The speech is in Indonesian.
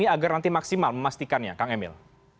nah bagaimana ini agar nanti maksimal memastikannya kang emil